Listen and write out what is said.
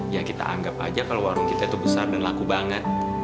ya kita anggap aja kalau warung kita itu besar dan laku banget